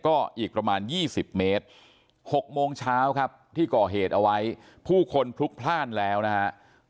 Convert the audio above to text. ก็อีกประมาณ๒๐เมตร๖โมงเช้าครับที่ก่อเหตุเอาไว้ผู้คนพลุกพลาดแล้วนะครับ